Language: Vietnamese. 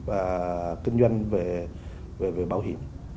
và kinh doanh về bảo hiểm